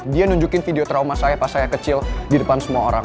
dia nunjukin video trauma saya pas saya kecil di depan semua orang